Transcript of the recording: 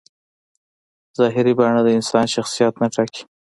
ظاهري بڼه د انسان شخصیت نه ټاکي.